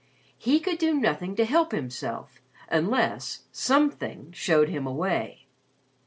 He could do nothing to help himself unless Something showed him a way.